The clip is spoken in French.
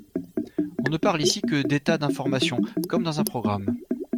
On ne parle ici que d’états d’information, comme dans un programme.